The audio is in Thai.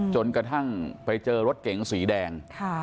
จนกระทั่งไปเจอรถเก๋งสีแดง